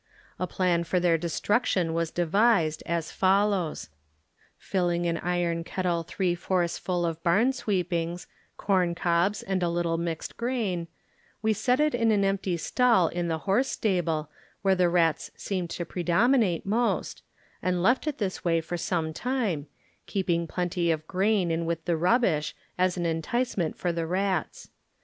A plan for their destruction was devised, as follows: Filling an iron kettle three fourths full of barn sweepings, corn cobs and a little mixed grain, we set it in an empty stall in the horse stable where the rats seemed ta predominate most, and left it this way for some time, keeping plenty of grain in with the rub bish as an enticement for the rats.